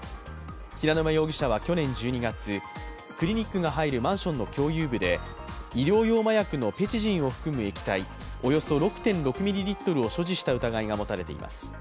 平沼容疑者は去年１２月、クリニックが入るマンションの共有部で医薬用麻薬のペチジンを含む液体およそ６．６ミリリットルを所持した疑いが持たれています。